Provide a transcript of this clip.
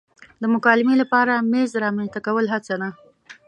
د مکالمې لپاره میز رامنځته کول هڅه ده.